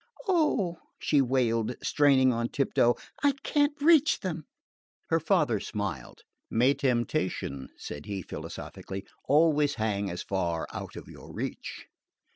"Oh," she wailed, straining on tiptoe, "I can't reach them!" Her father smiled. "May temptation," said he philosophically, "always hang as far out of your reach."